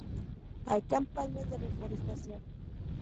Hay campañas de reforestación.